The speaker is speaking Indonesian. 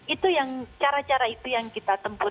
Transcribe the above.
itu yang cara cara itu yang kita tempuh